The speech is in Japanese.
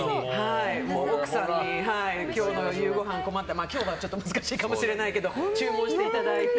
奥さんに、夕ごはん困ったら今日は難しいかもしれないけど注文していただいて。